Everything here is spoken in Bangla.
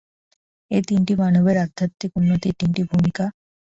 এই তিনটি মানবের আধ্যাত্মিক উন্নতির তিনটি ভূমিকা।